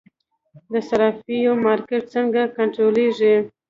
د صرافیو مارکیټ څنګه کنټرولیږي؟